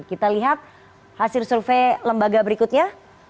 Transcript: kita lihat hasil survei lembaga berikutnya